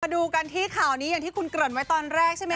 ดูกันที่ข่าวนี้อย่างที่คุณเกริ่นไว้ตอนแรกใช่ไหม